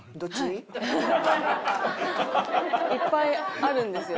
いっぱいあるんですよ。